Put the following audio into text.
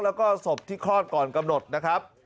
แล้วก็ศพที่คลอดก่อนกำหนดนะครับ